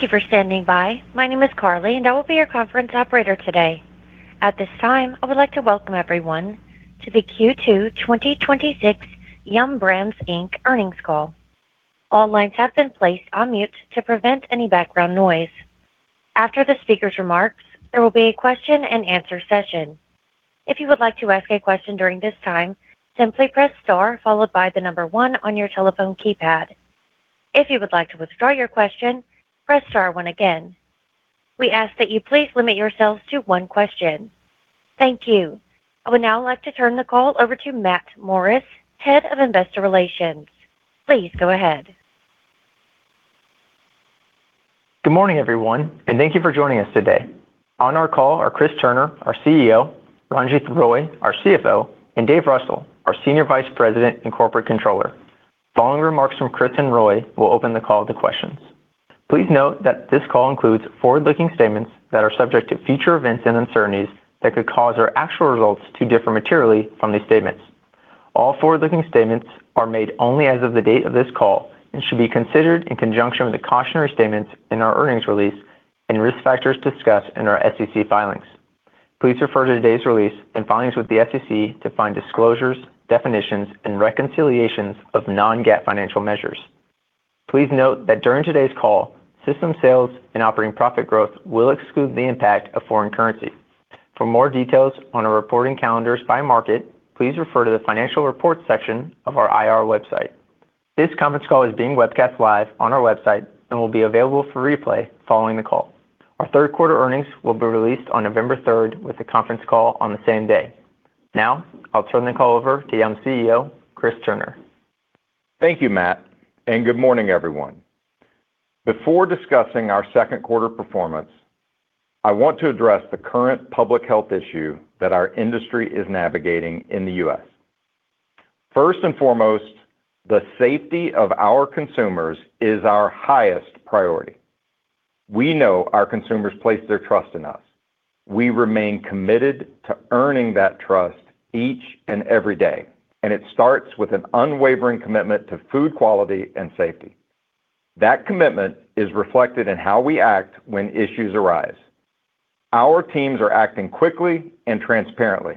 Thank you for standing by. My name is Carly. I will be your conference operator today. At this time, I would like to welcome everyone to the Q2 2026 Yum! Brands, Inc. earnings call. All lines have been placed on mute to prevent any background noise. After the speaker's remarks, there will be a question-and-answer session. If you would like to ask a question during this time, simply press star followed by the number one on your telephone keypad. If you would like to withdraw your question, press star one again. We ask that you please limit yourselves to one question. Thank you. I would now like to turn the call over to Matt Morris, Head of Investor Relations. Please go ahead. Good morning, everyone. Thank you for joining us today. On our call are Chris Turner, our CEO, Ranjith Roy, our CFO, and David Russell, our Senior Vice President and Corporate Controller. Following remarks from Chris and Roy, we'll open the call to questions. Please note that this call includes forward-looking statements that are subject to future events and uncertainties that could cause our actual results to differ materially from these statements. All forward-looking statements are made only as of the date of this call and should be considered in conjunction with the cautionary statements in our earnings release and risk factors discussed in our SEC filings. Please refer to today's release and filings with the SEC to find disclosures, definitions, and reconciliations of non-GAAP financial measures. Please note that during today's call, system sales and operating profit growth will exclude the impact of foreign currency. For more details on our reporting calendars by market, please refer to the financial reports section of our IR website. This conference call is being webcast live on our website and will be available for replay following the call. Our third quarter earnings will be released on November third with a conference call on the same day. Now, I'll turn the call over to Yum! CEO, Chris Turner. Thank you, Matt. Good morning, everyone. Before discussing our second quarter performance, I want to address the current public health issue that our industry is navigating in the U.S. First and foremost, the safety of our consumers is our highest priority. We know our consumers place their trust in us. We remain committed to earning that trust each and every day. It starts with an unwavering commitment to food quality and safety. That commitment is reflected in how we act when issues arise. Our teams are acting quickly and transparently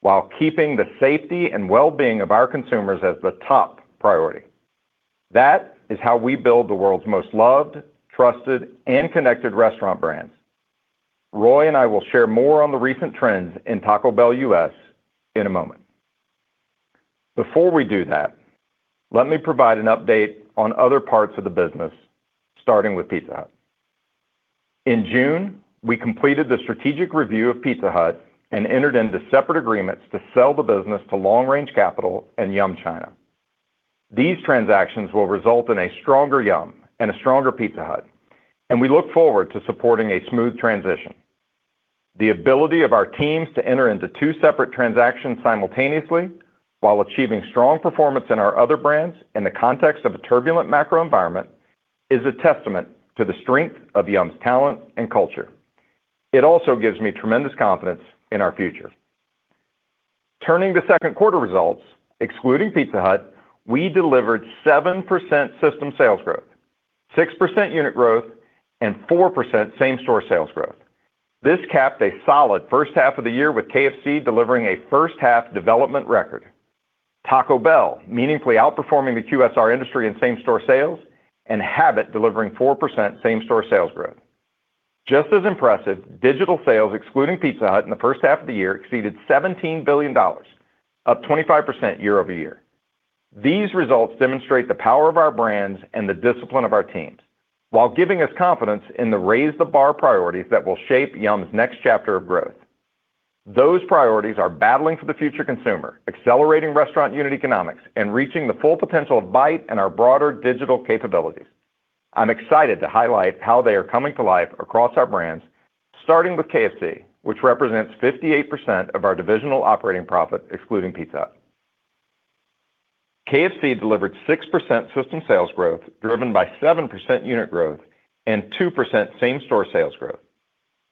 while keeping the safety and well-being of our consumers as the top priority. That is how we build the world's most loved, trusted, and connected restaurant brands. Roy and I will share more on the recent trends in Taco Bell U.S. in a moment. Before we do that, let me provide an update on other parts of the business, starting with Pizza Hut. In June, we completed the strategic review of Pizza Hut and entered into separate agreements to sell the business to LongRange Capital and Yum China. These transactions will result in a stronger Yum! and a stronger Pizza Hut, and we look forward to supporting a smooth transition. The ability of our teams to enter into two separate transactions simultaneously while achieving strong performance in our other brands in the context of a turbulent macro environment is a testament to the strength of Yum!'s talent and culture. It also gives me tremendous confidence in our future. Turning to second quarter results, excluding Pizza Hut, we delivered 7% system sales growth, 6% unit growth, and 4% same-store sales growth. This capped a solid first half of the year with KFC delivering a first-half development record. Taco Bell meaningfully outperforming the QSR industry in same-store sales and Habit delivering 4% same-store sales growth. Just as impressive, digital sales excluding Pizza Hut in the first half of the year exceeded $17 billion, up 25% year-over-year. These results demonstrate the power of our brands and the discipline of our teams while giving us confidence in the Raise the B.A.R. priorities that will shape Yum!'s next chapter of growth. Those priorities are battling for the future consumer, accelerating restaurant unit economics, and reaching the full potential of Byte and our broader digital capabilities. I'm excited to highlight how they are coming to life across our brands, starting with KFC, which represents 58% of our divisional operating profit excluding Pizza Hut. KFC delivered 6% system sales growth, driven by 7% unit growth and 2% same-store sales growth.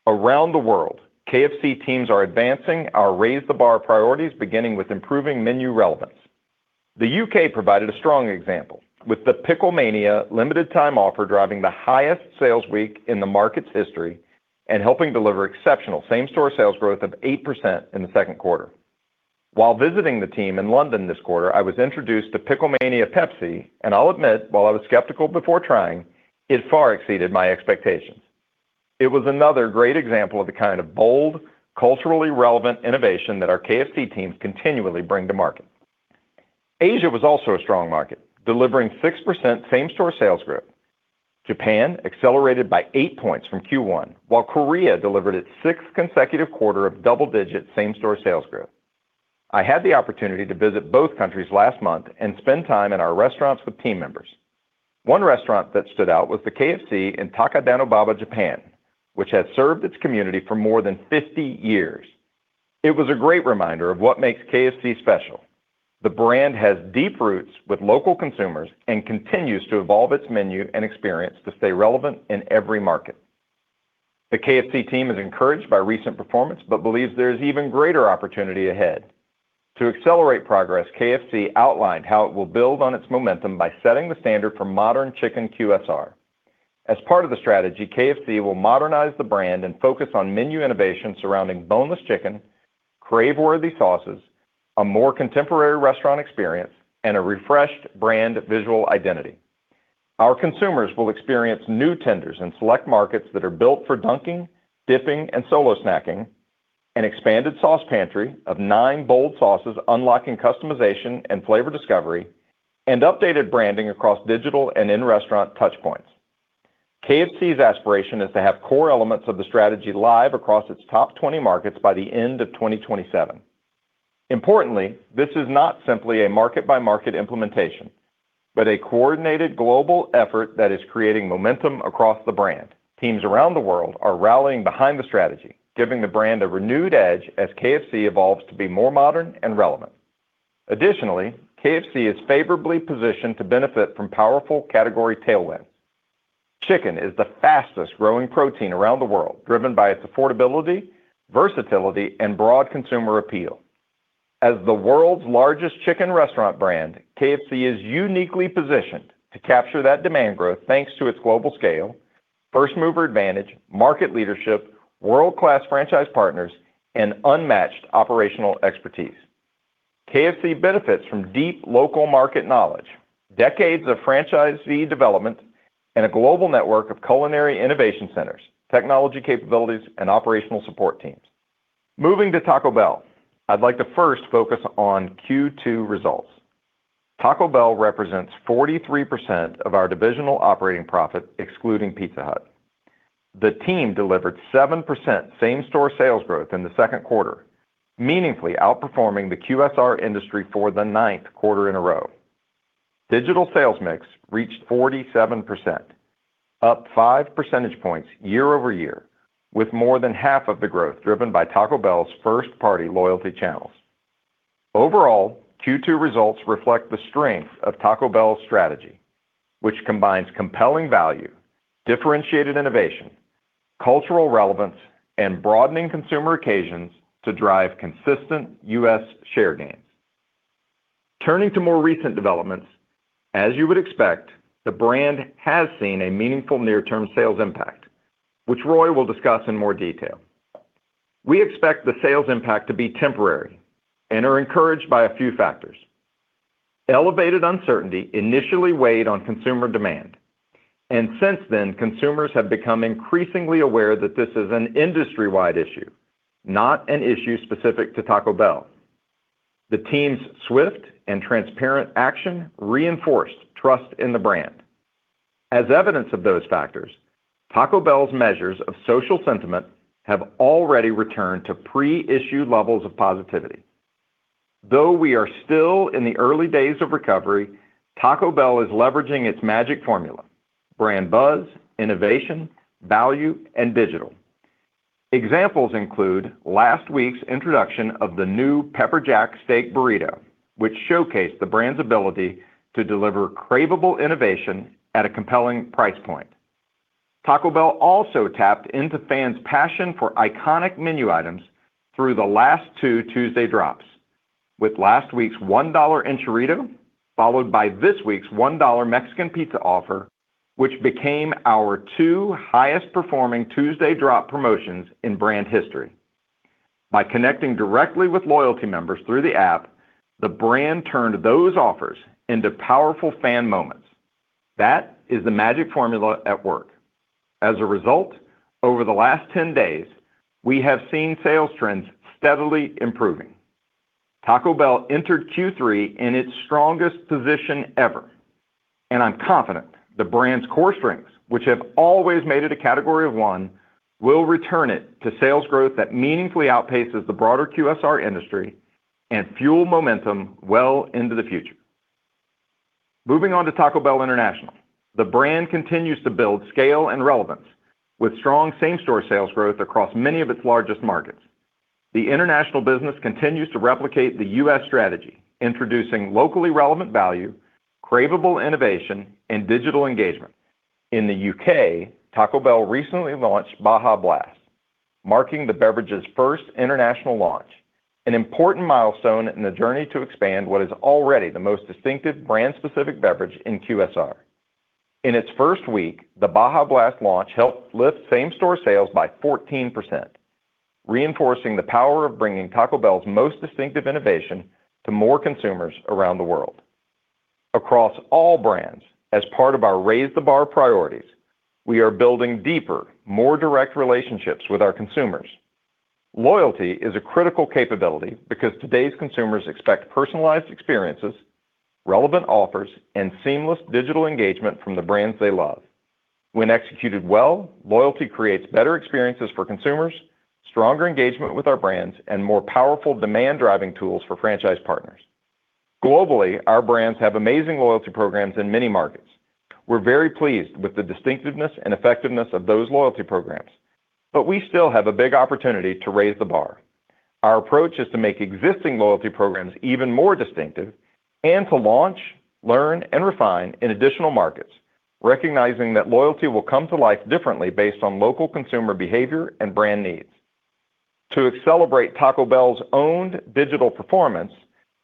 Around the world, KFC teams are advancing our Raise the B.A.R. priorities, beginning with improving menu relevance. The U.K. provided a strong example with the Pickle Mania limited time offer driving the highest sales week in the market's history and helping deliver exceptional same-store sales growth of 8% in the second quarter. While visiting the team in London this quarter, I was introduced to Pickle Mania Pepsi, and I'll admit, while I was skeptical before trying, it far exceeded my expectations. It was another great example of the kind of bold, culturally relevant innovation that our KFC teams continually bring to market. Asia was also a strong market, delivering 6% same-store sales growth. Japan accelerated by eight points from Q1, while Korea delivered its sixth consecutive quarter of double-digit same-store sales growth. I had the opportunity to visit both countries last month and spend time in our restaurants with team members. One restaurant that stood out was the KFC in Takadanobaba, Japan, which has served its community for more than 50 years. It was a great reminder of what makes KFC special. The brand has deep roots with local consumers and continues to evolve its menu and experience to stay relevant in every market. The KFC team is encouraged by recent performance, but believes there's even greater opportunity ahead. To accelerate progress, KFC outlined how it will build on its momentum by setting the standard for modern chicken QSR. As part of the strategy, KFC will modernize the brand and focus on menu innovation surrounding boneless chicken, crave-worthy sauces, a more contemporary restaurant experience, and a refreshed brand visual identity. Our consumers will experience new tenders in select markets that are built for dunking, dipping, and solo snacking, an expanded sauce pantry of nine bold sauces unlocking customization and flavor discovery, and updated branding across digital and in-restaurant touch points. KFC's aspiration is to have core elements of the strategy live across its top 20 markets by the end of 2027. Importantly, this is not simply a market-by-market implementation, but a coordinated global effort that is creating momentum across the brand. Teams around the world are rallying behind the strategy, giving the brand a renewed edge as KFC evolves to be more modern and relevant. Additionally, KFC is favorably positioned to benefit from powerful category tailwinds. Chicken is the fastest growing protein around the world, driven by its affordability, versatility, and broad consumer appeal. As the world's largest chicken restaurant brand, KFC is uniquely positioned to capture that demand growth thanks to its global scale, first-mover advantage, market leadership, world-class franchise partners, and unmatched operational expertise. KFC benefits from deep local market knowledge, decades of franchisee development, and a global network of culinary innovation centers, technology capabilities, and operational support teams. Moving to Taco Bell, I'd like to first focus on Q2 results. Taco Bell represents 43% of our divisional operating profit, excluding Pizza Hut. The team delivered 7% same-store sales growth in the second quarter, meaningfully outperforming the QSR industry for the ninth quarter in a row. Digital sales mix reached 47%, up five percentage points year-over-year, with more than half of the growth driven by Taco Bell's first-party loyalty channels. Overall, Q2 results reflect the strength of Taco Bell's strategy, which combines compelling value, differentiated innovation, cultural relevance, and broadening consumer occasions to drive consistent U.S. share gains. Turning to more recent developments, as you would expect, the brand has seen a meaningful near-term sales impact, which Roy will discuss in more detail. We expect the sales impact to be temporary and are encouraged by a few factors. Elevated uncertainty initially weighed on consumer demand. Since then, consumers have become increasingly aware that this is an industry-wide issue, not an issue specific to Taco Bell. The team's swift and transparent action reinforced trust in the brand. As evidence of those factors, Taco Bell's measures of social sentiment have already returned to pre-issue levels of positivity. Though we are still in the early days of recovery, Taco Bell is leveraging its magic formula: brand buzz, innovation, value, and digital. Examples include last week's introduction of the new Pepper Jack Steak Burrito, which showcased the brand's ability to deliver craveable innovation at a compelling price point. Taco Bell also tapped into fans' passion for iconic menu items through the last two Tuesday drops with last week's $1 Enchirito, followed by this week's $1 Mexican Pizza offer, which became our two highest performing Tuesday drop promotions in brand history. By connecting directly with loyalty members through the app, the brand turned those offers into powerful fan moments. That is the magic formula at work. Over the last 10 days, we have seen sales trends steadily improving. Taco Bell entered Q3 in its strongest position ever. I'm confident the brand's core strengths, which have always made it a category of one, will return it to sales growth that meaningfully outpaces the broader QSR industry and fuel momentum well into the future. Moving on to Taco Bell International, the brand continues to build scale and relevance with strong same-store sales growth across many of its largest markets. The international business continues to replicate the U.S. strategy, introducing locally relevant value, craveable innovation, and digital engagement. In the U.K., Taco Bell recently launched Baja Blast, marking the beverage's first international launch, an important milestone in the journey to expand what is already the most distinctive brand-specific beverage in QSR. In its first week, the Baja Blast launch helped lift same-store sales by 14%, reinforcing the power of bringing Taco Bell's most distinctive innovation to more consumers around the world. Across all brands, as part of our Raise the B.A.R priorities, we are building deeper, more direct relationships with our consumers. Loyalty is a critical capability because today's consumers expect personalized experiences, relevant offers, and seamless digital engagement from the brands they love. When executed well, loyalty creates better experiences for consumers, stronger engagement with our brands, and more powerful demand-driving tools for franchise partners. Globally, our brands have amazing loyalty programs in many markets. We're very pleased with the distinctiveness and effectiveness of those loyalty programs, but we still have a big opportunity to Raise the B.A.R. Our approach is to make existing loyalty programs even more distinctive and to launch, learn, and refine in additional markets, recognizing that loyalty will come to life differently based on local consumer behavior and brand needs. To accelerate Taco Bell's owned digital performance,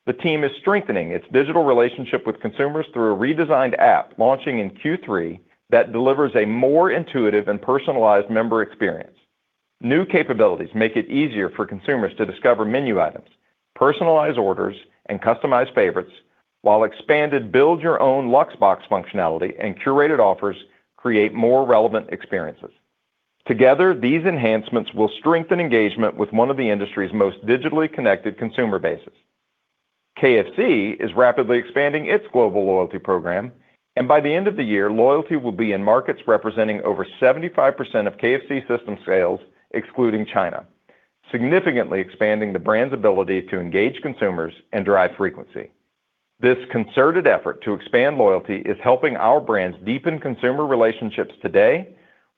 the team is strengthening its digital relationship with consumers through a redesigned app launching in Q3 that delivers a more intuitive and personalized member experience. New capabilities make it easier for consumers to discover menu items, personalize orders, and customize favorites while expanded build your own Luxe Box functionality and curated offers create more relevant experiences. Together, these enhancements will strengthen engagement with one of the industry's most digitally connected consumer bases. KFC is rapidly expanding its global loyalty program. By the end of the year, loyalty will be in markets representing over 75% of KFC system sales, excluding China, significantly expanding the brand's ability to engage consumers and drive frequency. This concerted effort to expand loyalty is helping our brands deepen consumer relationships today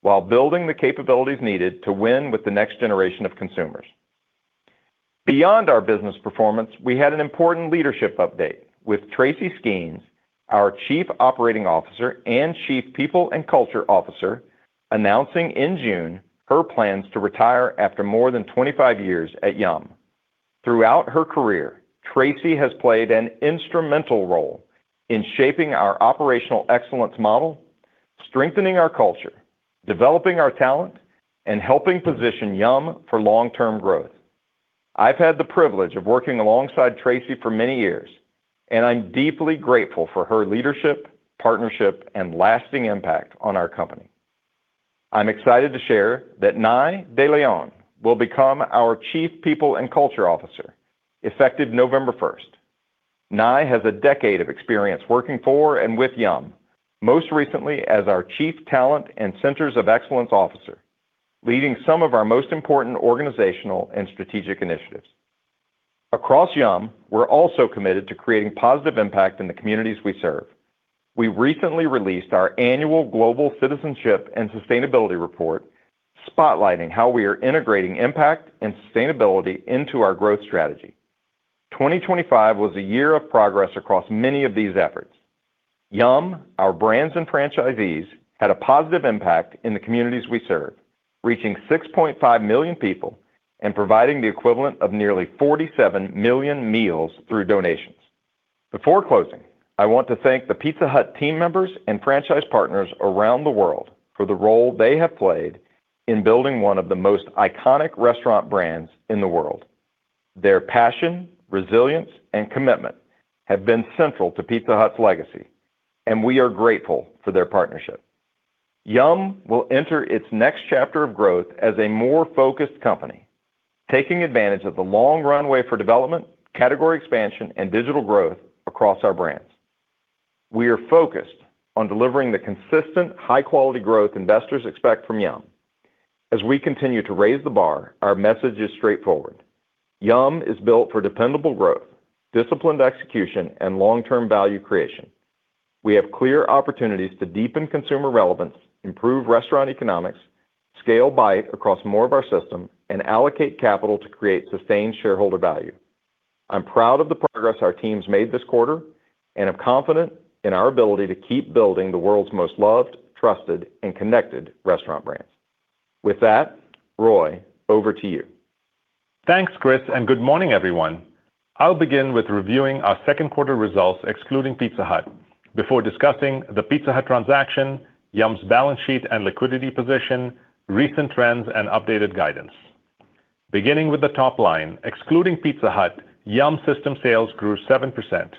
while building the capabilities needed to win with the next generation of consumers. Beyond our business performance, we had an important leadership update with Tracy Skeans, our Chief Operating Officer and Chief People and Culture Officer, announcing in June her plans to retire after more than 25 years at Yum!. Throughout her career, Tracy has played an instrumental role in shaping our operational excellence model, strengthening our culture, developing our talent, and helping position Yum! for long-term growth. I've had the privilege of working alongside Tracy for many years, and I'm deeply grateful for her leadership, partnership, and lasting impact on our company. I'm excited to share that Nai De León will become our Chief People and Culture Officer effective November first. Nai has a decade of experience working for and with Yum!, most recently as our Chief Talent and Centers of Excellence Officer, leading some of our most important organizational and strategic initiatives. Across Yum!, we're also committed to creating positive impact in the communities we serve. We recently released our annual global citizenship and sustainability report spotlighting how we are integrating impact and sustainability into our growth strategy. 2025 was a year of progress across many of these efforts. Yum!, our brands and franchisees, had a positive impact in the communities we serve, reaching 6.5 million people and providing the equivalent of nearly 47 million meals through donations. Before closing, I want to thank the Pizza Hut team members and franchise partners around the world for the role they have played in building one of the most iconic restaurant brands in the world. Their passion, resilience, and commitment have been central to Pizza Hut's legacy, and we are grateful for their partnership. Yum! will enter its next chapter of growth as a more focused company, taking advantage of the long runway for development, category expansion, and digital growth across our brands. We are focused on delivering the consistent high-quality growth investors expect from Yum!. As we continue to Raise the B.A.R., our message is straightforward. Yum! is built for dependable growth, disciplined execution, and long-term value creation. We have clear opportunities to deepen consumer relevance, improve restaurant economics, scale Byte across more of our system, and allocate capital to create sustained shareholder value. I'm proud of the progress our team's made this quarter and am confident in our ability to keep building the world's most loved, trusted, and connected restaurant brands. With that, Roy, over to you. Thanks, Chris, and good morning, everyone. I'll begin with reviewing our second quarter results, excluding Pizza Hut, before discussing the Pizza Hut transaction, Yum!'s balance sheet and liquidity position, recent trends, and updated guidance. Beginning with the top line, excluding Pizza Hut, Yum! system sales grew 7%,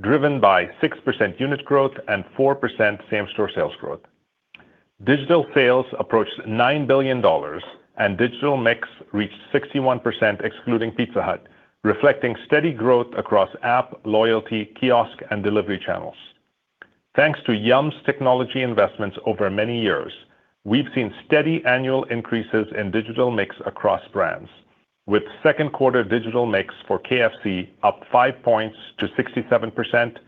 driven by 6% unit growth and 4% same-store sales growth. Digital sales approached $9 billion, and digital mix reached 61%, excluding Pizza Hut, reflecting steady growth across app, loyalty, kiosk, and delivery channels. Thanks to Yum!'s technology investments over many years, we've seen steady annual increases in digital mix across brands with second quarter digital mix for KFC up five points to 67%,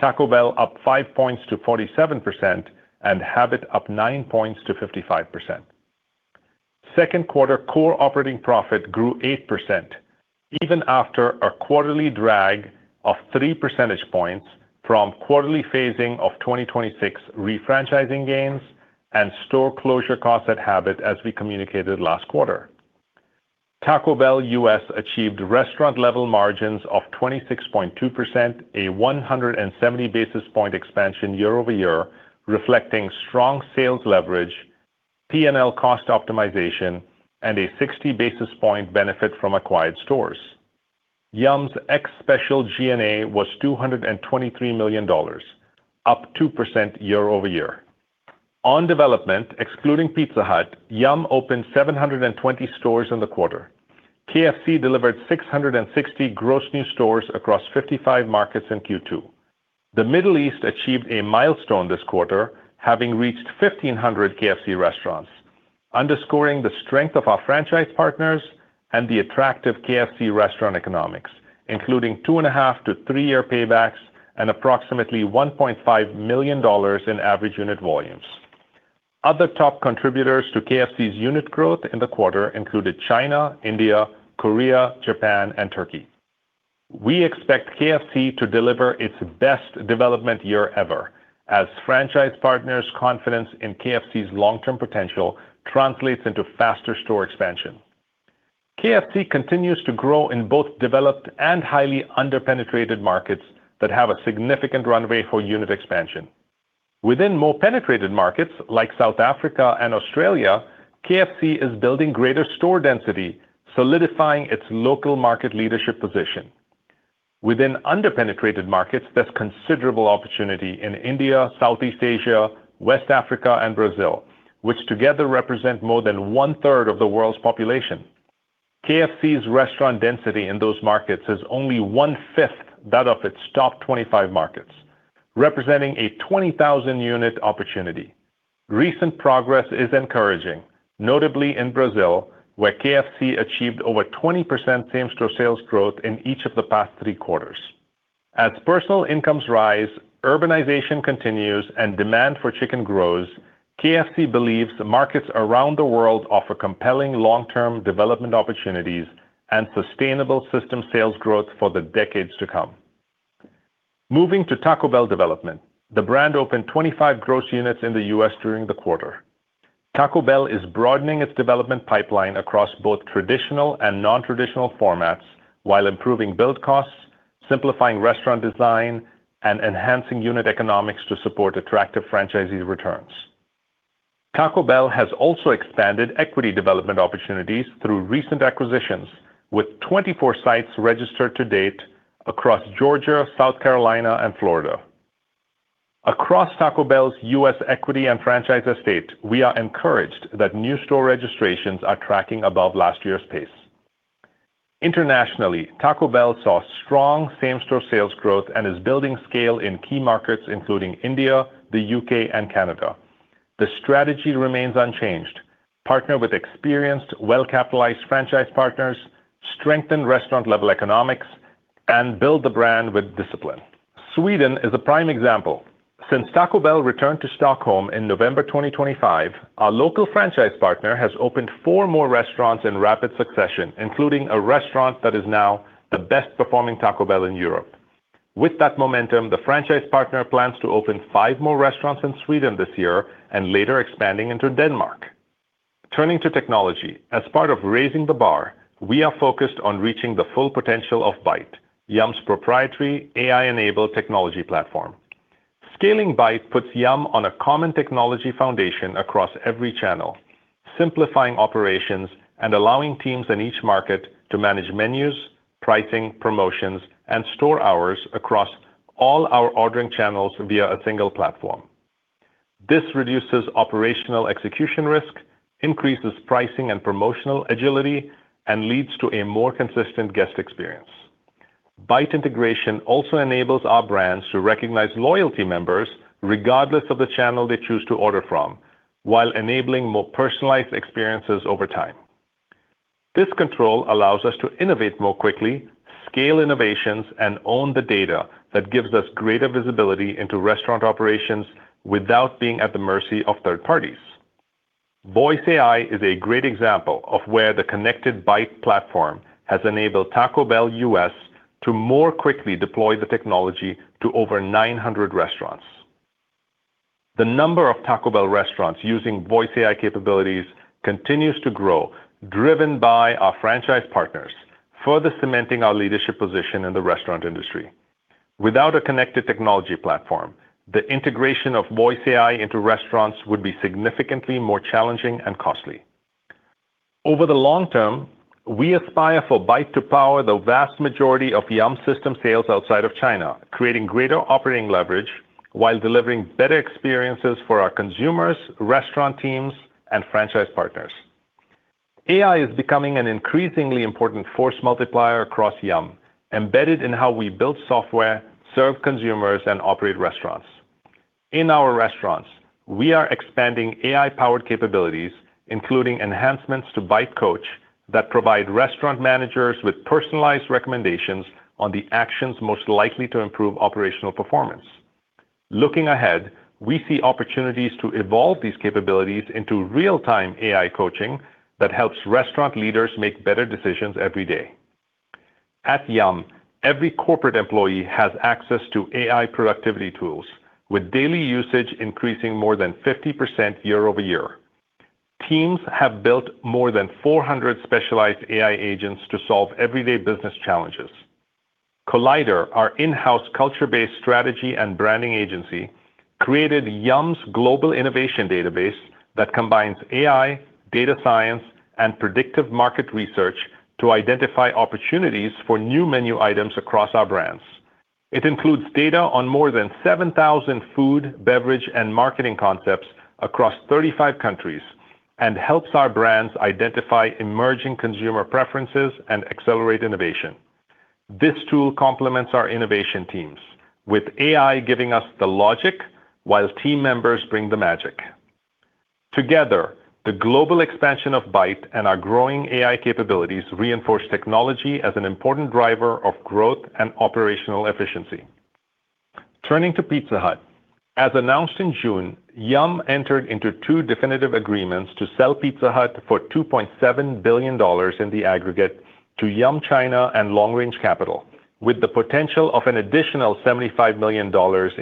Taco Bell up five points to 47%, and Habit up nine points to 55%. Second quarter core operating profit grew 8%, even after a quarterly drag of three percentage points from quarterly phasing of 2026 refranchising gains and store closure costs at Habit as we communicated last quarter. Taco Bell U.S. achieved restaurant level margins of 26.2%, a 170 basis point expansion year-over-year, reflecting strong sales leverage, P&L cost optimization, and a 60 basis point benefit from acquired stores. Yum!'s ex special G&A was $223 million, up 2% year-over-year. On development, excluding Pizza Hut, Yum! opened 720 stores in the quarter. KFC delivered 660 gross new stores across 55 markets in Q2. The Middle East achieved a milestone this quarter, having reached 1,500 KFC restaurants, underscoring the strength of our franchise partners and the attractive KFC restaurant economics, including two and a half to three-year paybacks and approximately $1.5 million in average unit volumes. Other top contributors to KFC's unit growth in the quarter included China, India, Korea, Japan, and Turkey. We expect KFC to deliver its best development year ever as franchise partners' confidence in KFC's long-term potential translates into faster store expansion. KFC continues to grow in both developed and highly under-penetrated markets that have a significant runway for unit expansion. Within more penetrated markets like South Africa and Australia, KFC is building greater store density, solidifying its local market leadership position. Within under-penetrated markets, there's considerable opportunity in India, Southeast Asia, West Africa, and Brazil, which together represent more than 1/3 of the world's population. KFC's restaurant density in those markets is only 1/5 that of its top 25 markets, representing a 20,000 unit opportunity. Recent progress is encouraging, notably in Brazil, where KFC achieved over 20% same-store sales growth in each of the past three quarters. As personal incomes rise, urbanization continues, and demand for chicken grows, KFC believes the markets around the world offer compelling long-term development opportunities and sustainable system sales growth for the decades to come. Moving to Taco Bell development, the brand opened 25 gross units in the U.S. during the quarter. Taco Bell is broadening its development pipeline across both traditional and non-traditional formats while improving build costs, simplifying restaurant design, and enhancing unit economics to support attractive franchisee returns. Taco Bell has also expanded equity development opportunities through recent acquisitions, with 24 sites registered to date across Georgia, South Carolina, and Florida. Across Taco Bell's U.S. equity and franchise estate, we are encouraged that new store registrations are tracking above last year's pace. Internationally, Taco Bell saw strong same-store sales growth and is building scale in key markets including India, the U.K., and Canada. The strategy remains unchanged. Partner with experienced, well-capitalized franchise partners, strengthen restaurant-level economics, and build the brand with discipline. Sweden is a prime example. Since Taco Bell returned to Stockholm in November 2025, our local franchise partner has opened four more restaurants in rapid succession, including a restaurant that is now the best-performing Taco Bell in Europe. With that momentum, the franchise partner plans to open five more restaurants in Sweden this year and later expanding into Denmark. Turning to technology, as part of Raise the B.A.R., we are focused on reaching the full potential of Byte, Yum!'s proprietary AI-enabled technology platform. Scaling Byte puts Yum! on a common technology foundation across every channel, simplifying operations and allowing teams in each market to manage menus, pricing, promotions, and store hours across all our ordering channels via a single platform. This reduces operational execution risk, increases pricing and promotional agility, and leads to a more consistent guest experience. Byte integration also enables our brands to recognize loyalty members, regardless of the channel they choose to order from, while enabling more personalized experiences over time. This control allows us to innovate more quickly, scale innovations, and own the data that gives us greater visibility into restaurant operations without being at the mercy of third parties. Voice AI is a great example of where the connected Byte platform has enabled Taco Bell U.S. to more quickly deploy the technology to over 900 restaurants. The number of Taco Bell restaurants using Voice AI capabilities continues to grow, driven by our franchise partners, further cementing our leadership position in the restaurant industry. Without a connected technology platform, the integration of Voice AI into restaurants would be significantly more challenging and costly. Over the long term, we aspire for Byte to power the vast majority of Yum! system sales outside of China, creating greater operating leverage while delivering better experiences for our consumers, restaurant teams, and franchise partners. AI is becoming an increasingly important force multiplier across Yum!, embedded in how we build software, serve consumers, and operate restaurants. In our restaurants, we are expanding AI-powered capabilities, including enhancements to Byte Coach that provide restaurant managers with personalized recommendations on the actions most likely to improve operational performance. Looking ahead, we see opportunities to evolve these capabilities into real-time AI coaching that helps restaurant leaders make better decisions every day. At Yum!, every corporate employee has access to AI productivity tools, with daily usage increasing more than 50% year-over-year. Teams have built more than 400 specialized AI agents to solve everyday business challenges. Collider, our in-house culture-based strategy and branding agency, created Yum!'s global innovation database that combines AI, data science, and predictive market research to identify opportunities for new menu items across our brands. It includes data on more than 7,000 food, beverage, and marketing concepts across 35 countries and helps our brands identify emerging consumer preferences and accelerate innovation. This tool complements our innovation teams, with AI giving us the logic while team members bring the magic. Together, the global expansion of Byte and our growing AI capabilities reinforce technology as an important driver of growth and operational efficiency. Turning to Pizza Hut. As announced in June, Yum! entered into two definitive agreements to sell Pizza Hut for $2.7 billion in the aggregate to Yum China and LongRange Capital, with the potential of an additional $75 million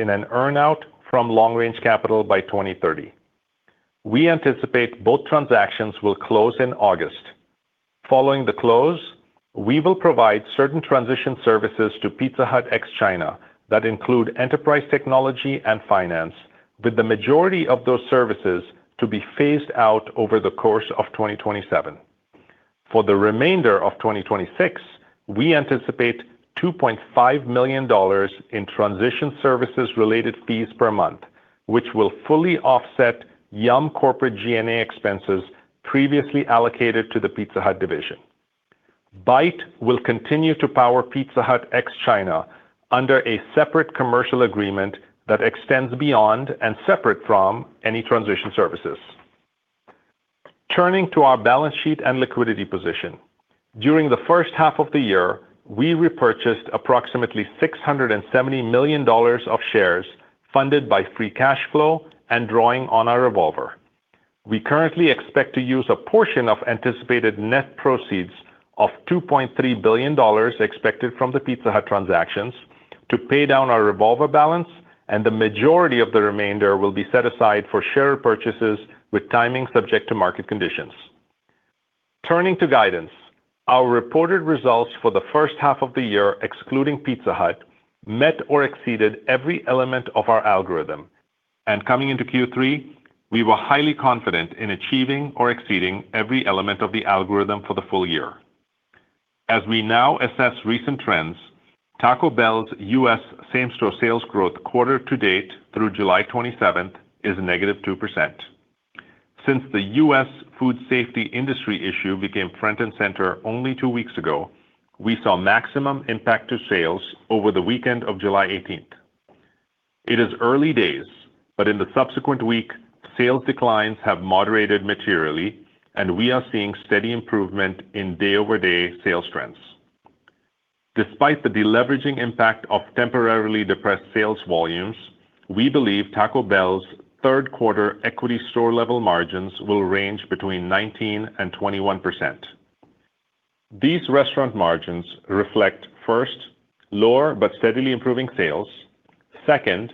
in an earn-out from LongRange Capital by 2030. We anticipate both transactions will close in August. Following the close, we will provide certain transition services to Pizza Hut Ex-China that include enterprise technology and finance, with the majority of those services to be phased out over the course of 2027. For the remainder of 2026, we anticipate $2.5 million in transition services-related fees per month, which will fully offset Yum! corporate G&A expenses previously allocated to the Pizza Hut division. Byte will continue to power Pizza Hut Ex-China under a separate commercial agreement that extends beyond and separate from any transition services. Turning to our balance sheet and liquidity position. During the first half of the year, we repurchased approximately $670 million of shares funded by free cash flow and drawing on our revolver. We currently expect to use a portion of anticipated net proceeds of $2.3 billion expected from the Pizza Hut transactions to pay down our revolver balance, and the majority of the remainder will be set aside for share purchases, with timing subject to market conditions. Turning to guidance. Our reported results for the first half of the year, excluding Pizza Hut, met or exceeded every element of our algorithm. Coming into Q3, we were highly confident in achieving or exceeding every element of the algorithm for the full year. As we now assess recent trends, Taco Bell's U.S. same-store sales growth quarter to date through July 27 is -2%. Since the U.S. food safety industry issue became front and center only two weeks ago, we saw maximum impact to sales over the weekend of July 18th. It is early days, but in the subsequent week, sales declines have moderated materially, and we are seeing steady improvement in day-over-day sales trends. Despite the deleveraging impact of temporarily depressed sales volumes, we believe Taco Bell's third quarter equity store level margins will range between 19% and 21%. These restaurant margins reflect, first, lower but steadily improving sales. Second,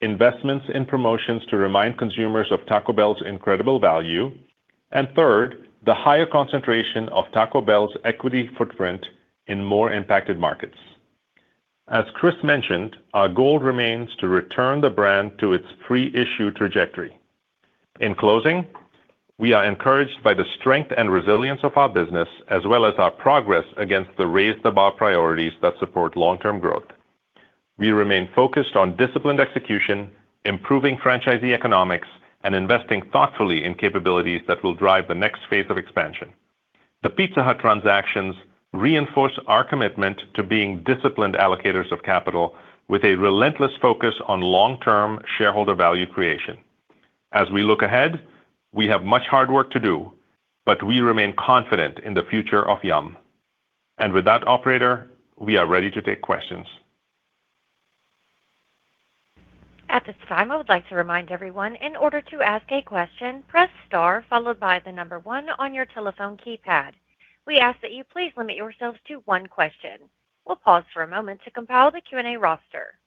investments in promotions to remind consumers of Taco Bell's incredible value. Third, the higher concentration of Taco Bell's equity footprint in more impacted markets. As Chris mentioned, our goal remains to return the brand to its pre-issue trajectory. In closing, we are encouraged by the strength and resilience of our business, as well as our progress against the Raise the B.A.R. priorities that support long-term growth. We remain focused on disciplined execution, improving franchisee economics, and investing thoughtfully in capabilities that will drive the next phase of expansion. The Pizza Hut transactions reinforce our commitment to being disciplined allocators of capital with a relentless focus on long-term shareholder value creation. As we look ahead, we have much hard work to do, but we remain confident in the future of Yum! With that, operator, we are ready to take questions. At this time, I would like to remind everyone, in order to ask a question, press star followed by the number one on your telephone keypad. We ask that you please limit yourselves to one question. We will pause for a moment to compile the Q&A roster.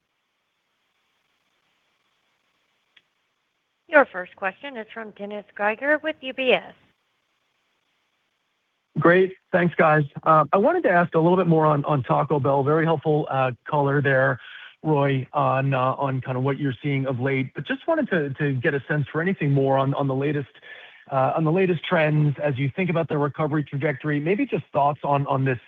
Your first question is from Dennis Geiger with UBS. Great. Thanks, guys. I wanted to ask a little bit more on Taco Bell. Very helpful color there, Roy, on what you're seeing of late. Just wanted to get a sense for anything more on the latest trends as you think about the recovery trajectory, maybe just thoughts on this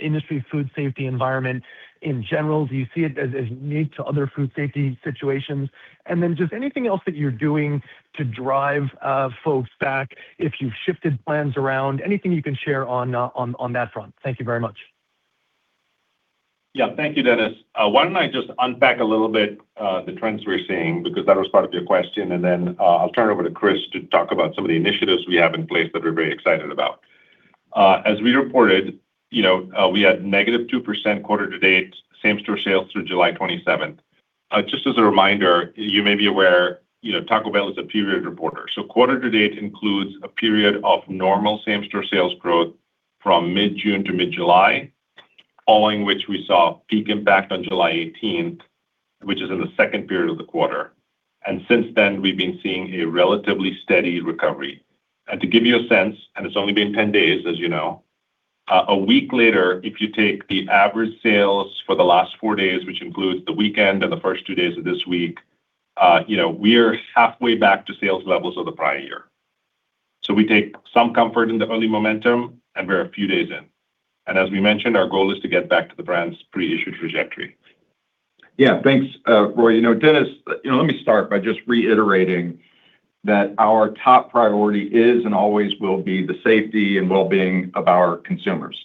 industry food safety environment in general. Do you see it as unique to other food safety situations? Then just anything else that you're doing to drive folks back, if you've shifted plans around, anything you can share on that front. Thank you very much. Yeah, thank you, Dennis. Why don't I just unpack a little bit the trends we're seeing, because that was part of your question, then I'll turn it over to Chris to talk about some of the initiatives we have in place that we're very excited about. As we reported, we had -2% quarter to date same-store sales through July 27th. Just as a reminder, you may be aware Taco Bell is a period reporter. Quarter to date includes a period of normal same-store sales growth from mid-June to mid-July, following which we saw peak impact on July 18th, which is in the second period of the quarter. Since then, we've been seeing a relatively steady recovery. To give you a sense, and it's only been 10 days, as you know, a week later, if you take the average sales for the last four days, which includes the weekend and the first two days of this week, we're halfway back to sales levels of the prior year. We take some comfort in the early momentum, and we're a few days in. As we mentioned, our goal is to get back to the brand's pre-issue trajectory. Yeah, thanks, Roy. Dennis, let me start by just reiterating that our top priority is and always will be the safety and wellbeing of our consumers.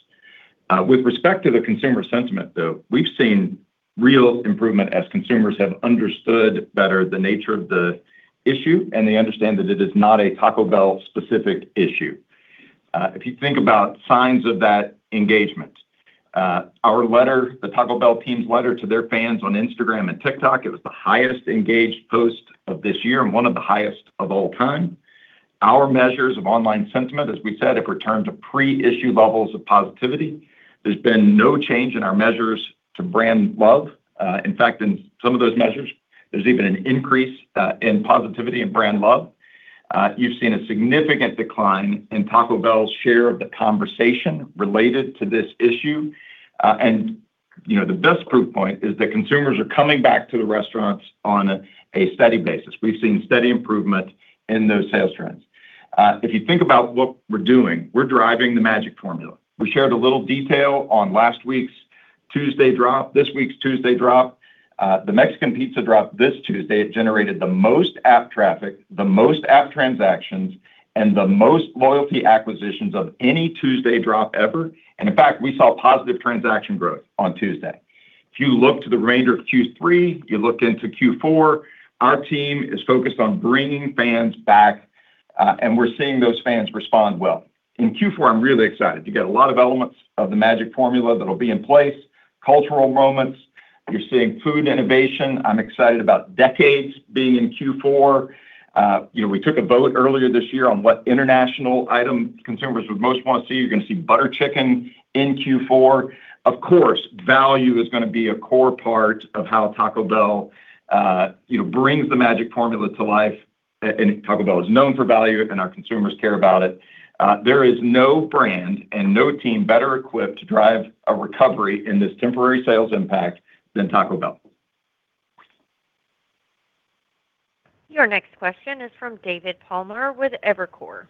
With respect to the consumer sentiment, though, we've seen real improvement as consumers have understood better the nature of the issue, and they understand that it is not a Taco Bell specific issue. If you think about signs of that engagement, our letter, the Taco Bell team's letter to their fans on Instagram and TikTok, it was the highest engaged post of this year and one of the highest of all time. Our measures of online sentiment, as we said, have returned to pre-issue levels of positivity. There's been no change in our measures to brand love. In fact, in some of those measures, there's even an increase in positivity and brand love. You've seen a significant decline in Taco Bell's share of the conversation related to this issue. The best proof point is that consumers are coming back to the restaurants on a steady basis. We've seen steady improvement in those sales trends. If you think about what we're doing, we're driving the magic formula. We shared a little detail on last week's Tuesday drop, this week's Tuesday drop. The Mexican Pizza drop this Tuesday, it generated the most app traffic, the most app transactions, and the most loyalty acquisitions of any Tuesday drop ever. In fact, we saw positive transaction growth on Tuesday. If you look to the remainder of Q3, you look into Q4, our team is focused on bringing fans back, and we're seeing those fans respond well. In Q4, I'm really excited. You get a lot of elements of the magic formula that'll be in place, cultural moments. You're seeing food innovation. I'm excited about Decades being in Q4. We took a vote earlier this year on what international item consumers would most want to see. You're going to see butter chicken in Q4. Of course, value is going to be a core part of how Taco Bell brings the magic formula to life. Taco Bell is known for value, and our consumers care about it. There is no brand and no team better equipped to drive a recovery in this temporary sales impact than Taco Bell. Your next question is from David Palmer with Evercore.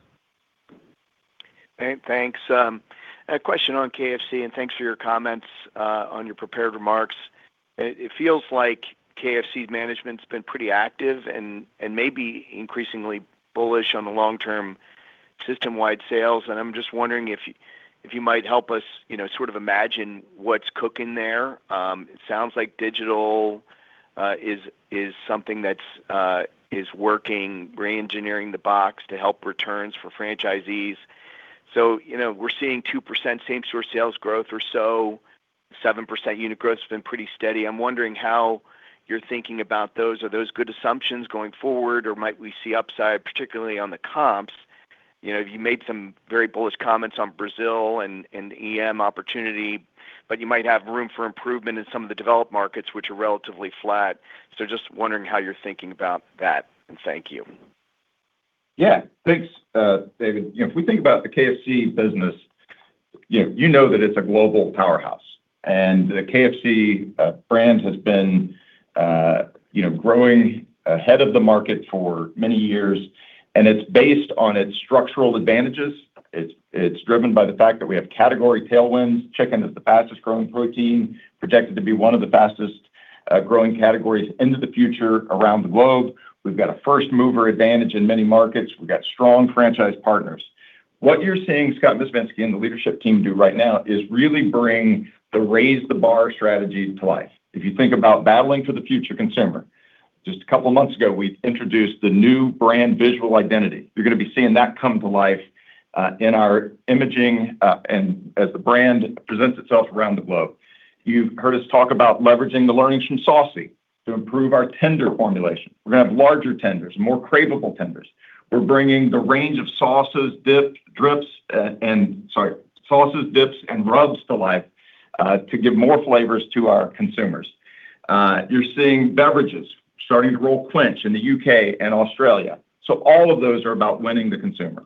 Hey, thanks. A question on KFC, thanks for your comments on your prepared remarks. It feels like KFC’s management's been pretty active and maybe increasingly bullish on the long-term system-wide sales, I'm just wondering if you might help us sort of imagine what's cooking there. It sounds like digital is something that is working, re-engineering the box to help returns for franchisees. We're seeing 2% same-store sales growth or so, 7% unit growth has been pretty steady. I'm wondering how you're thinking about those. Are those good assumptions going forward, or might we see upside, particularly on the comps? You made some very bullish comments on Brazil and EM opportunity, you might have room for improvement in some of the developed markets, which are relatively flat. Just wondering how you're thinking about that. Thank you. Yeah. Thanks, David. If we think about the KFC business, you know that it's a global powerhouse. The KFC brand has been growing ahead of the market for many years, and it's based on its structural advantages. It's driven by the fact that we have category tailwinds. Chicken is the fastest-growing protein, projected to be one of the fastest-growing categories into the future around the globe. We've got a first-mover advantage in many markets. We've got strong franchise partners. What you're seeing Scott Mezvinsky and the leadership team do right now is really bring the Raise the B.A.R strategy to life. If you think about battling for the future consumer, just a couple of months ago, we introduced the new brand visual identity. You're going to be seeing that come to life in our imaging, and as the brand presents itself around the globe. You've heard us talk about leveraging the learnings from Saucy to improve our tender formulation. We're going to have larger tenders, more craveable tenders. We're bringing the range of sauces, dips, and rubs to life to give more flavors to our consumers. You're seeing beverages starting to roll Kwench in the U.K. and Australia. All of those are about winning the consumer.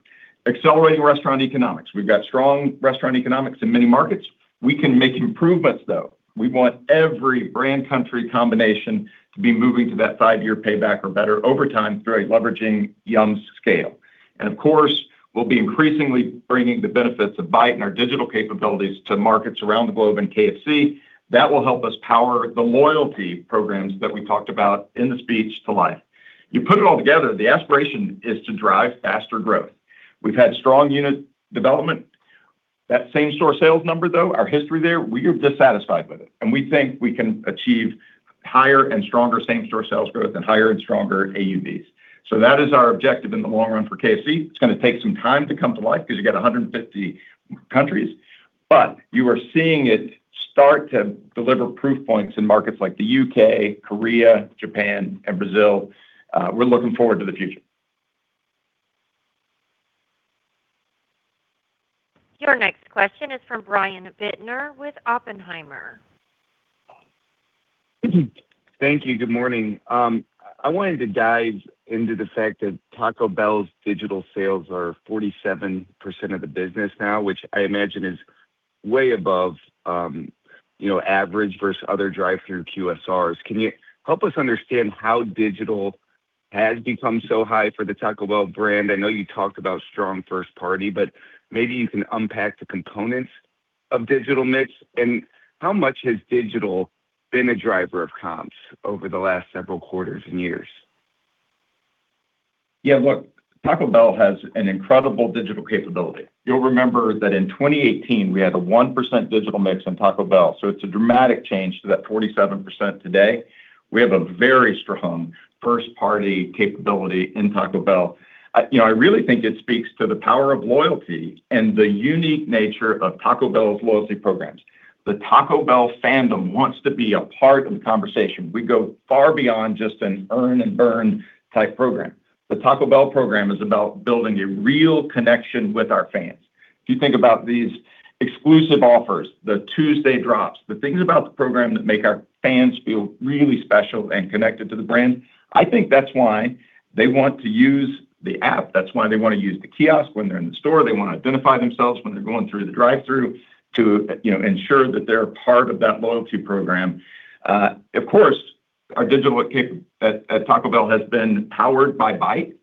Accelerating restaurant economics. We've got strong restaurant economics in many markets. We can make improvements, though. We want every brand country combination to be moving to that five-year payback or better over time through leveraging Yum!'s scale. Of course, we'll be increasingly bringing the benefits of Byte and our digital capabilities to markets around the globe and KFC. That will help us power the loyalty programs that we talked about in the speech to life. You put it all together, the aspiration is to drive faster growth. We've had strong unit development. That same-store sales number, though, our history there, we are dissatisfied with it, and we think we can achieve higher and stronger same-store sales growth and higher and stronger AUVs. That is our objective in the long run for KFC. It's going to take some time to come to life because you've got 150 countries, but you are seeing it start to deliver proof points in markets like the U.K., Korea, Japan, and Brazil. We're looking forward to the future. Your next question is from Brian Bittner with Oppenheimer. Thank you. Good morning. I wanted to dive into the fact that Taco Bell's digital sales are 47% of the business now, which I imagine is way above average versus other drive-through QSRs. Can you help us understand how digital has become so high for the Taco Bell brand? I know you talked about strong first party, but maybe you can unpack the components of digital mix and how much has digital been a driver of comps over the last several quarters and years? Yeah. Look, Taco Bell has an incredible digital capability. You'll remember that in 2018, we had a 1% digital mix on Taco Bell, so it's a dramatic change to that 47% today. We have a very strong first-party capability in Taco Bell. I really think it speaks to the power of loyalty and the unique nature of Taco Bell's loyalty programs. The Taco Bell fandom wants to be a part of the conversation. We go far beyond just an earn and burn type program. The Taco Bell program is about building a real connection with our fans. If you think about these exclusive offers, the Tuesday drops, the things about the program that make our fans feel really special and connected to the brand, I think that's why they want to use the app. That's why they want to use the kiosk when they're in the store. They want to identify themselves when they're going through the drive-thru to ensure that they're a part of that loyalty program. Of course, our digital kick at Taco Bell has been powered by Byte.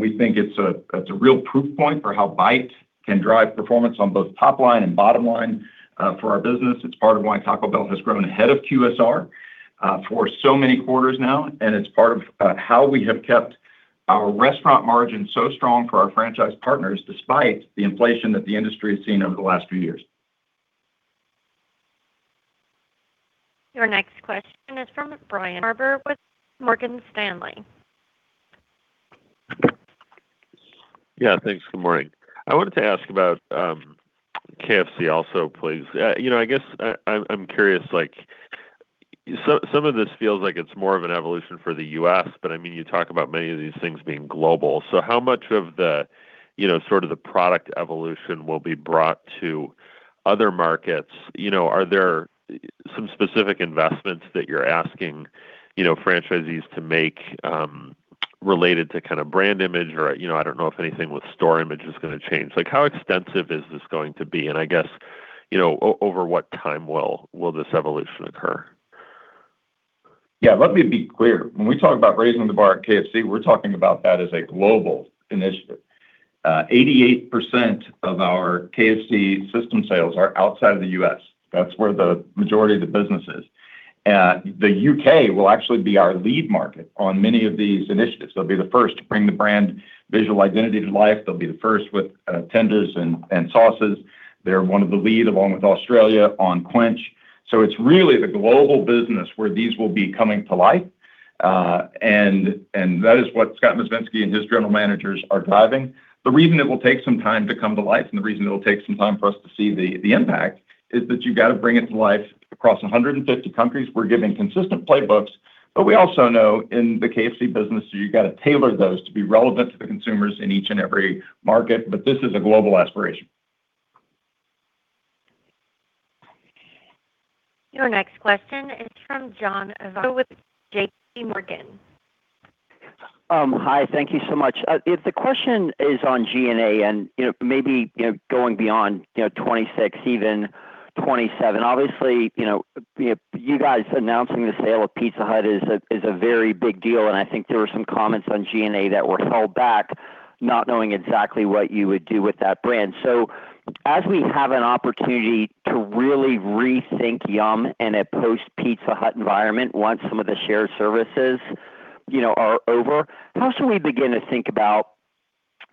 We think it's a real proof point for how Byte can drive performance on both top line and bottom line for our business. It's part of why Taco Bell has grown ahead of QSR for so many quarters now, and it's part of how we have kept our restaurant margin so strong for our franchise partners, despite the inflation that the industry has seen over the last few years. Your next question is from Brian Harbour with Morgan Stanley. Yeah, thanks. Good morning. I wanted to ask about KFC also, please. I guess I'm curious, some of this feels like it's more of an evolution for the U.S., but you talk about many of these things being global. How much of the sort of the product evolution will be brought to other markets? Are there some specific investments that you're asking franchisees to make related to brand image or I don't know if anything with store image is going to change. How extensive is this going to be? I guess, over what time will this evolution occur? Yeah, let me be clear. When we talk about Raise the B.A.R at KFC, we're talking about that as a global initiative. 88% of our KFC system sales are outside of the U.S. That's where the majority of the business is. The U.K. will actually be our lead market on many of these initiatives. They'll be the first to bring the brand visual identity to life. They'll be the first with tenders and sauces. They're one of the lead, along with Australia, on Kwench. It's really the global business where these will be coming to life. That is what Scott Mezvinsky and his general managers are driving. The reason it will take some time to come to life, and the reason it'll take some time for us to see the impact, is that you've got to bring it to life across 150 countries. We're giving consistent playbooks, we also know in the KFC business, you've got to tailor those to be relevant to the consumers in each and every market. This is a global aspiration. Your next question is from John Ivankoe with JPMorgan. Hi, thank you so much. If the question is on G&A and maybe going beyond 2026, even 2027. Obviously, you guys announcing the sale of Pizza Hut is a very big deal, and I think there were some comments on G&A that were held back, not knowing exactly what you would do with that brand. As we have an opportunity to really rethink Yum! in a post-Pizza Hut environment, once some of the shared services are over, how should we begin to think about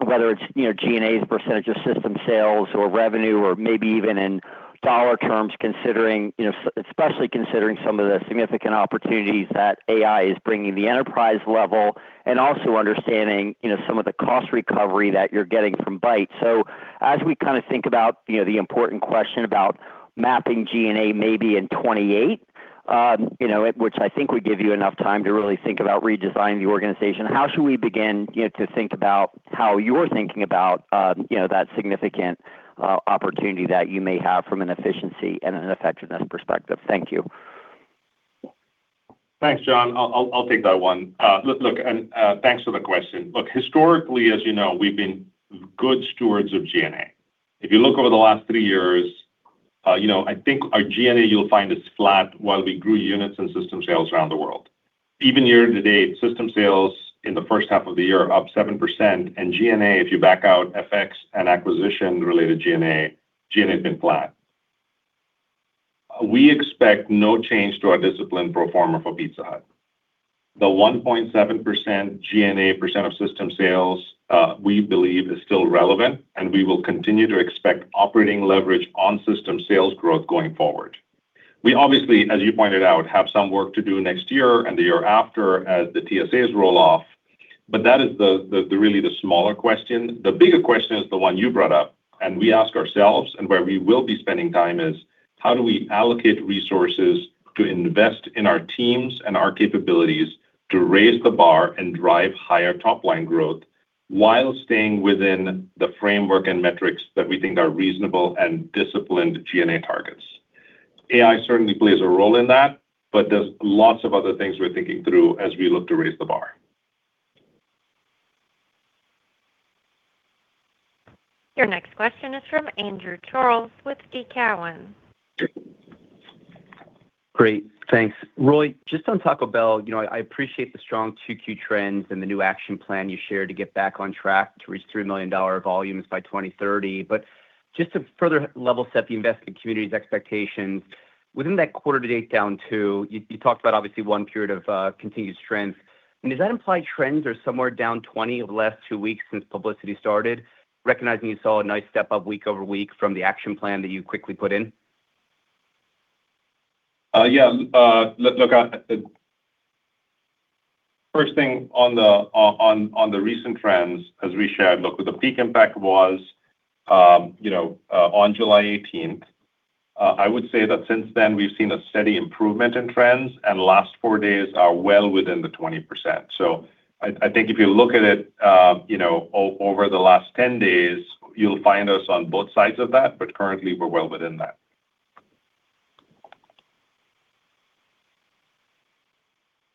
whether it's G&A's percentage of system sales or revenue, or maybe even in dollar terms, especially considering some of the significant opportunities that AI is bringing the enterprise level and also understanding some of the cost recovery that you're getting from Byte. As we think about the important question about mapping G&A maybe in 2028, which I think would give you enough time to really think about redesigning the organization, how should we begin to think about how you're thinking about that significant opportunity that you may have from an efficiency and an effectiveness perspective? Thank you. Thanks, John. I'll take that one. Look, thanks for the question. Look, historically, as you know, we've been good stewards of G&A. If you look over the last three years, I think our G&A, you'll find, is flat while we grew units and system sales around the world. Even year to date, system sales in the first half of the year are up 7%, and G&A, if you back out FX and acquisition-related G&A, G&A's been flat. We expect no change to our discipline pro forma for Pizza Hut. The 1.7% G&A percent of system sales, we believe, is still relevant, and we will continue to expect operating leverage on system sales growth going forward. We obviously, as you pointed out, have some work to do next year and the year after as the TSAs roll off. That is really the smaller question. The bigger question is the one you brought up, and we ask ourselves, and where we will be spending time is, how do we allocate resources to invest in our teams and our capabilities to Raise the B.A.R and drive higher top-line growth while staying within the framework and metrics that we think are reasonable and disciplined G&A targets? AI certainly plays a role in that, but there's lots of other things we're thinking through as we look to Raise the B.A.R. Your next question is from Andrew Charles with TD Cowen. Great. Thanks. Roy, just on Taco Bell, I appreciate the strong 2Q trends and the new action plan you shared to get back on track to reach $3 million volumes by 2030. Just to further level set the investment community's expectations, within that quarter to date down 2%, you talked about obviously one period of continued strength. Does that imply trends are somewhere down 20% over the last two weeks since publicity started, recognizing you saw a nice step-up week-over-week from the action plan that you quickly put in? Yeah. Look, first thing on the recent trends, as we shared, look, where the peak impact was on July 18th. I would say that since then, we've seen a steady improvement in trends, and the last four days are well within the 20%. I think if you look at it over the last 10 days, you'll find us on both sides of that, but currently we're well within that.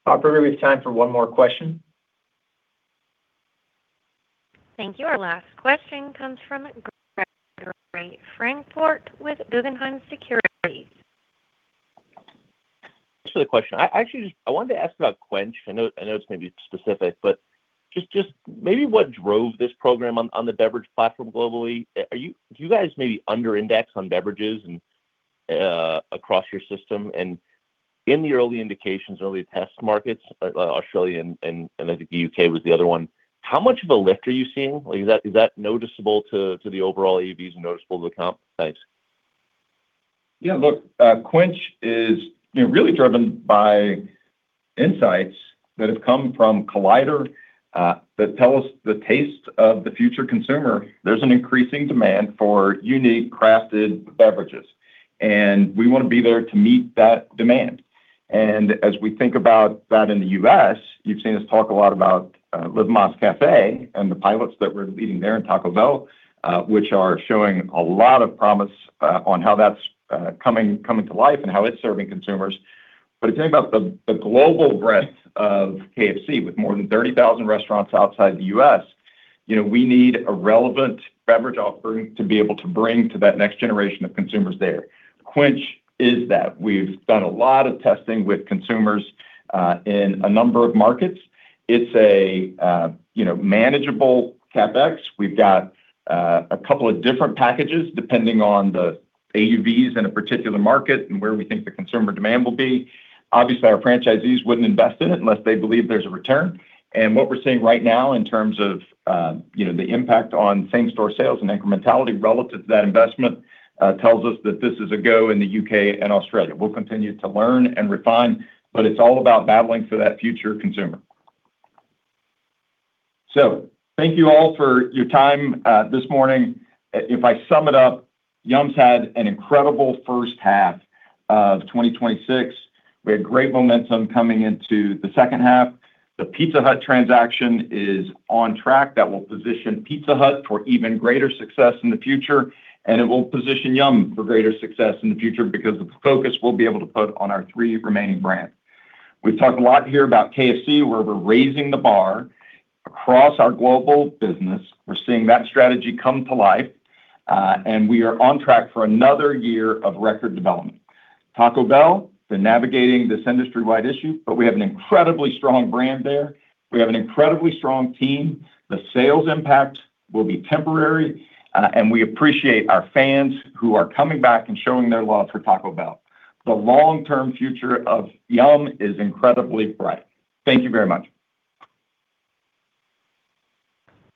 Operator, we have time for one more question. Thank you. Our last question comes from Gregory Francfort with Guggenheim Securities. Thanks for the question. I wanted to ask about Kwench. I know this may be specific, but just maybe what drove this program on the beverage platform globally. Do you guys maybe under-index on beverages across your system? In the early indications, early test markets, Australia and I think the U.K. was the other one, how much of a lift are you seeing? Is that noticeable to the overall AUVs and noticeable to comp? Thanks. Yeah, look, Kwench is really driven by insights that have come from Collider, that tell us the taste of the future consumer. There's an increasing demand for unique crafted beverages, and we want to be there to meet that demand. As we think about that in the U.S., you've seen us talk a lot about Live Más Cafe and the pilots that we're leading there in Taco Bell, which are showing a lot of promise on how that's coming to life and how it's serving consumers. But if you think about the global breadth of KFC with more than 30,000 restaurants outside the U.S., we need a relevant beverage offering to be able to bring to that next generation of consumers there. Kwench is that. We've done a lot of testing with consumers, in a number of markets. It's a manageable CapEx. We've got a couple of different packages depending on the AUVs in a particular market and where we think the consumer demand will be. Obviously, our franchisees wouldn't invest in it unless they believe there's a return. What we're seeing right now in terms of the impact on same-store sales and incrementality relative to that investment, tells us that this is a go in the U.K. and Australia. We'll continue to learn and refine, but it's all about battling for that future consumer. Thank you all for your time this morning. If I sum it up, Yum!'s had an incredible first half of 2026. We had great momentum coming into the second half. The Pizza Hut transaction is on track. That will position Pizza Hut for even greater success in the future, and it will position Yum! for greater success in the future because of the focus we'll be able to put on our three remaining brands. We've talked a lot here about KFC, where we're raising the bar across our global business. We're seeing that strategy come to life. We are on track for another year of record development. Taco Bell been navigating this industry-wide issue, we have an incredibly strong brand there. We have an incredibly strong team. The sales impact will be temporary, and we appreciate our fans who are coming back and showing their love for Taco Bell. The long-term future of Yum! is incredibly bright. Thank you very much.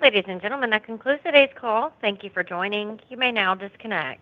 Ladies and gentlemen, that concludes today's call. Thank you for joining. You may now disconnect.